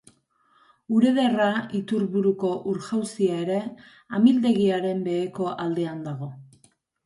Urederra iturburuko ur-jauzia ere amildegiaren beheko aldean dago.